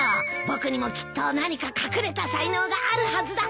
僕にもきっと何か隠れた才能があるはずだ。